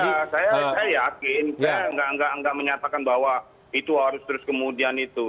saya tidak menyatakan bahwa itu harus terus kemudian itu